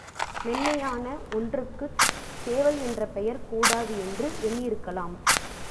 மென்மையான ஒன்றுக்குச் சேவல் என்ற பெயர் கூடாது என்று எண்ணியிருக்கலாம்.